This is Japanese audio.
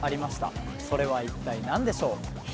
それは一体何でしょう？